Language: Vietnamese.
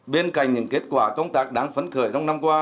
bên cạnh những kết quả công tác đáng phấn khởi trong năm qua